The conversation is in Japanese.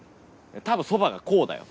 多分そばがこうだよ